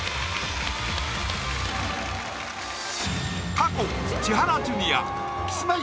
過去千原ジュニアキスマイ